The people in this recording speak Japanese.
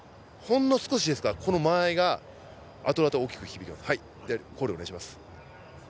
ほんの少しですが、この間合いがあとあと大きく響きます。